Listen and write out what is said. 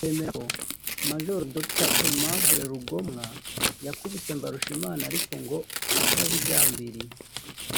bemera ko Maj Dr Aimable Rugomwa yakubise Mbarushimana ariko ngo atabigambiriye